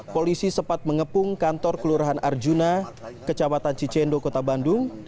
polisi sempat mengepung kantor kelurahan arjuna kecamatan cicendo kota bandung